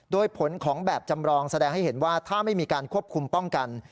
โดยผลของแบบจำรองแสดงให้เห็นว่าถ้าไม่มีการควบคุมป้องกัน